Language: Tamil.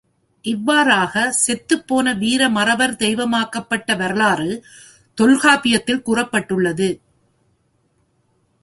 இவ்வாறாக, செத்துப் போன வீர மறவர் தெய்வமாக்கப்பட்ட வரலாறு தொல்காப்பியத்தில் கூறப்பட்டுள்ளது.